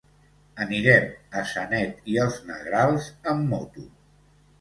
Anirem a Sanet i els Negrals amb moto.